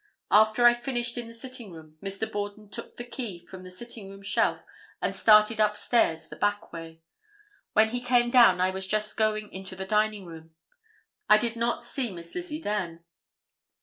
After I finished in the sitting room, Mr. Borden took the key from the sitting room shelf and started upstairs the back way. When he came down I was just going into the dining room. I did not see Miss Lizzie then.